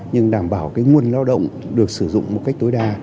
nhưng đảm bảo cái nguồn lao động được sử dụng một cách tối đa